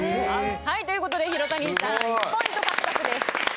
はいということで廣谷さん１ポイント獲得です